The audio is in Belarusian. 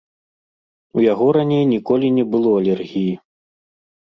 У яго раней ніколі не было алергіі.